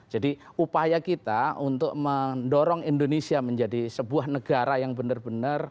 jadi upaya kita untuk mendorong indonesia menjadi sebuah negara yang benar benar